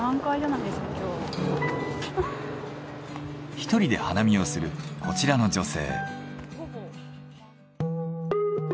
１人で花見をするこちらの女性。